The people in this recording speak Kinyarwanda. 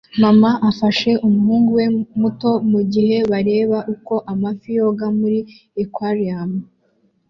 Mama afashe umuhungu we muto mugihe bareba uko amafi yoga muri aquarium